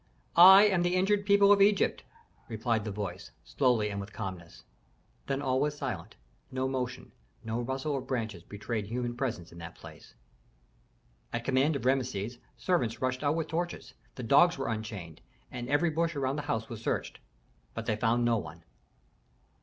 "I am the injured people of Egypt," replied the voice, slowly and with calmness. Then all was silent. No motion, no rustle of branches betrayed human presence in that place. At command of Rameses servants rushed out with torches, the dogs were unchained, and every bush around the house was searched. But they found no one.